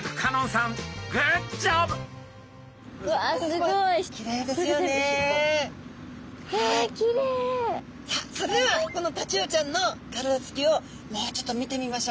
さあそれではこのタチウオちゃんの体つきをもうちょっと見てみましょうね。